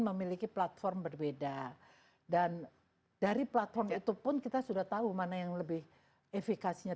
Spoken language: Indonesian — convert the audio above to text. memiliki platform berbeda dan dari platform itu pun kita sudah tahu mana yang lebih efikasinya